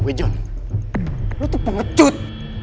kau adalah pengajut